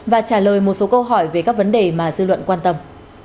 và trả lời một số câu hỏi về các vấn đề mà dư luận quan tâm